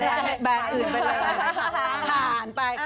ขอบคุณกัน